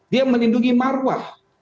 dia melindungi marwah